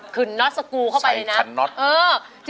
คืนน็อตสกูลเข้าไปเลยนะใช้ขันน็อต